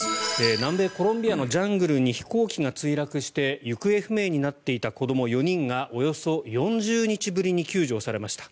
南米コロンビアのジャングルに飛行機が墜落して行方不明になっていた子ども４人がおよそ４０日ぶりに救助されました。